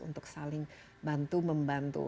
untuk saling bantu membantu